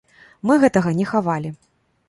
Мы гэтага не хавалі.